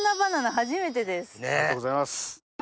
ありがとうございます。